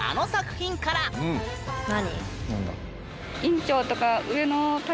何？